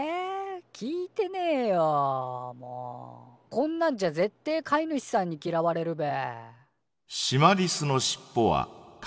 こんなんじゃぜってえ飼い主さんにきらわれるべ。